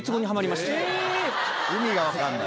意味が分かんない。